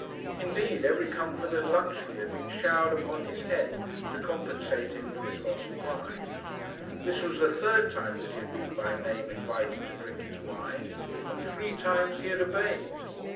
Indeed, every comfort and luxury had been showered upon his head to compensate him for his lost bride. This was the third time that he had been by name invited to drink his wine, and three times he had obeyed.